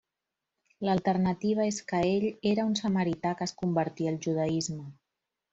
L'alternativa és que ell era un samarità que es convertí al judaisme.